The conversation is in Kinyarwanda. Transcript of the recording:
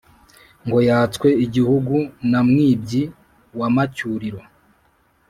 ngo yatswe igihugu na mwibyi wa macyuriro!